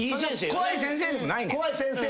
怖い先生でもない。